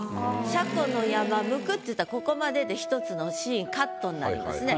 「蝦蛄の山剥く」って言ったらここまでで１つのシーンカットになりますね。